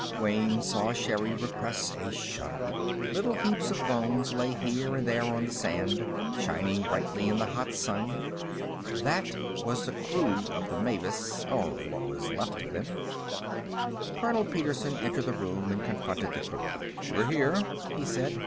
Wayne saw Sherri repress a shudder. Little heaps of bones lay here and there on the sand, shining brightly in the hot sun. That was the crew of the Mavis or what was left of them. Colonel Petersen entered the room and confronted the crew. "We're here," he said.